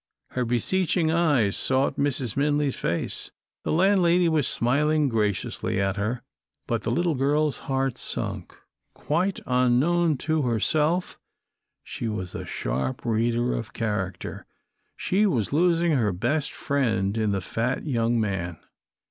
Her beseeching eyes sought Mrs. Minley's face. The landlady was smiling graciously at her, but the little girl's heart sunk. Quite unknown to herself, she was a sharp reader of character. She was losing her best friend in the fat young man.